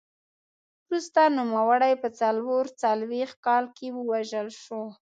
وروسته نوموړی په څلور څلوېښت کال کې ووژل شو